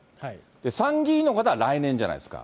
参議院の方は来年じゃないですか。